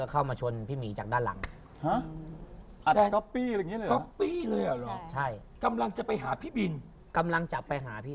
กำลังจะไปหาพี่บินกำลังจะไปหาพี่บิน